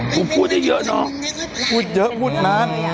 กูพูดเยอะน้ำ